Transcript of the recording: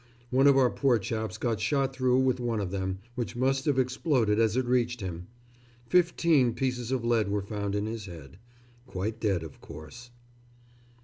One of our poor chaps got shot through with one of them, which must have exploded as it reached him. Fifteen pieces of lead were found in his head. Quite dead, of course.